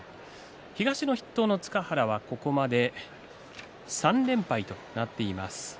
東の筆頭の塚原はここまで３連敗となっています。